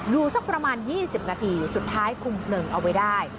อยู่สักประมาณ๒๐นาทีสุดท้ายคุมเพลิงเอาไว้ได้